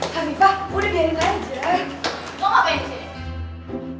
samifah udah udah yang lain aja